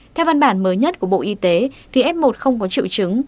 theo văn bản mới nhất của bộ y tế thì f một không có triệu chứng